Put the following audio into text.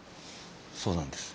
そうなんです。